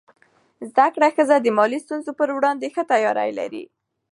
زده کړه ښځه د مالي ستونزو پر وړاندې ښه تیاری لري.